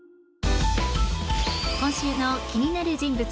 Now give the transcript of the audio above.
今週の気になる人物